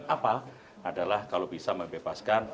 apa adalah kalau bisa membebaskan